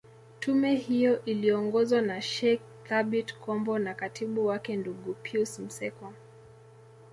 Tume hiyo iliongozwa na Sheikh Thabit Kombo na katibu wake ndugu Pius Msekwa